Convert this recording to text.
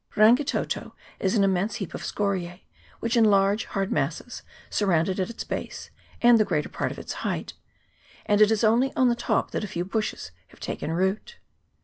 Rangitoto is an immense heap of scoriae, which in large hard masses surround it at its base and the greater part of its height ; and it is only on the top that a few bushes have taken root.